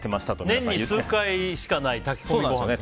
年に数回しかない炊き込みご飯ですね。